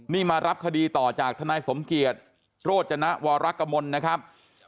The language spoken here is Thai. นี่มารับคดีต่อจากทนายสมเกียจโรจนะวรกมลนะครับ